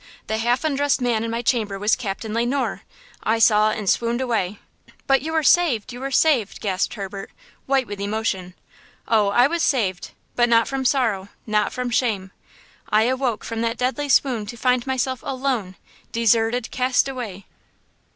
the half undressed man in my chamber was Captain Le Noir! I saw and swooned away!" "But you were saved! you were saved!" gasped Herbert, white with emotion. "Oh, I was saved, but not from sorrow–not from shame! I awoke from that deadly swoon to find myself alone, deserted, cast away!